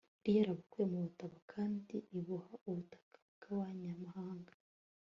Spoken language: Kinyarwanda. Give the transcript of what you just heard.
Yari yarabukuye mu bubata kandi ibuha ubutaka bwabanyamahanga